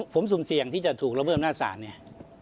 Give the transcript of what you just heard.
ผมสูงเสี่ยงที่จะถูกระเมิดหน้าสารเนี่ย